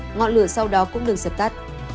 ngọn lửa sau đó cũng được sập tắt